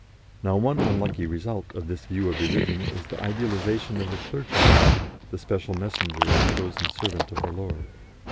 Now one unlucky result of this view of religion is the idealisation of the clergyman, the special messenger and chosen servant of the Lord.